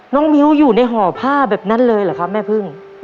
น้องมิ้วอยู่ในห่อผ้าแบบนั้นเลยเหรอครับแม่พึ่ง